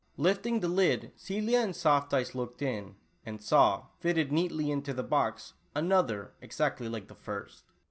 Lifting the lid, Celia and Soft Eyes looked in, and saw, fitted 44 Tula Oolah. neatly into the box, another, exactly like the lirst.